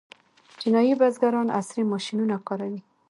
چینايي بزګران عصري ماشینونه کاروي.